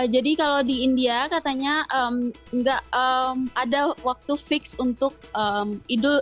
jadi kalau di india katanya enggak ada waktu berat untuk idul fitri